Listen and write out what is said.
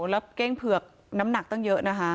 แล้วเก้งเผือกน้ำหนักตั้งเยอะนะคะ